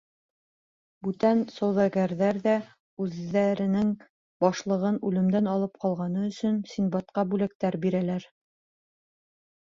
Бүтән сауҙагәрҙәр ҙә үҙҙәренең башлығын үлемдән алып ҡалғаны өсөн Синдбадҡа бүләктәр бирәләр.